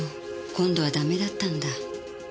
今度はダメだったんだ。